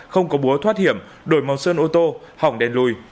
không có búa thoát hiểm đổi màu sơn ô tô hỏng đèn lùi